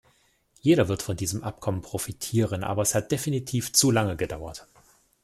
Jeder wird von diesem Abkommen profitieren, aber es hat definitiv zu lange gedauert.